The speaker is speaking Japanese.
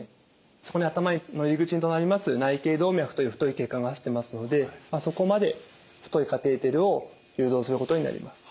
そこに頭の入り口となります内頚動脈という太い血管が走ってますのでそこまで太いカテーテルを誘導することになります。